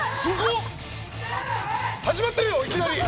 いきなり。